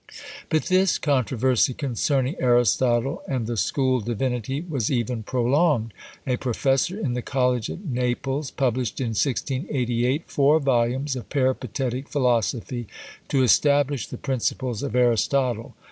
But this controversy concerning Aristotle and the school divinity was even prolonged. A professor in the College at Naples published in 1688 four volumes of peripatetic philosophy, to establish the principles of Aristotle.